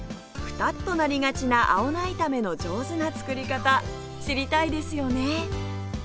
くたっとなりがちな青菜炒めの上手な作り方知りたいですよね！